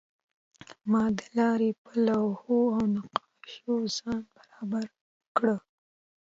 ما د لارې په لوحو او نقشو ځان برابر کړ.